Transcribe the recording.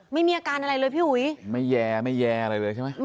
ไม่มีอาการอะไรเลยพี่อุ๋ยไม่แย่ไม่แย่อะไรเลยใช่ไหม